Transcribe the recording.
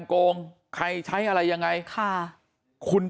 มันต้องการมาหาเรื่องมันจะมาแทงนะ